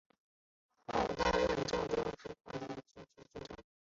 后担任郑州市纺织工业局局长。